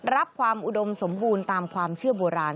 รับความอุดมสมบูรณ์ตามความเชื่อโบราณ